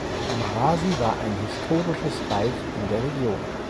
Amarasi war ein historisches Reich in der Region.